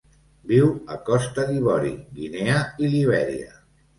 Viu a Costa d'Ivori, Guinea i Libèria.